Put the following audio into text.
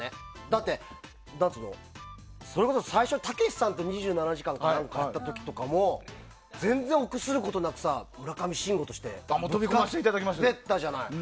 だってそれこそ、たけしさんと「２７時間」でやったときも全然臆することなく村上信五としてぶつかっていったじゃない。